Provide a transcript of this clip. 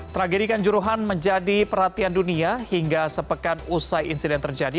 tragedi kanjuruhan menjadi perhatian dunia hingga sepekan usai insiden terjadi